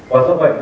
và do vậy là